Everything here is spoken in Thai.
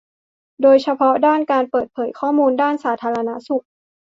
โดยเฉพาะด้านการเปิดเผยข้อมูลด้านสาธารณสุข